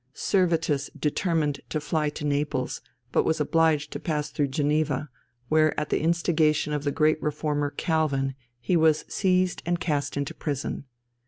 Servetus determined to fly to Naples, but was obliged to pass through Geneva, where at the instigation of the great Reformer Calvin he was seized and cast into prison.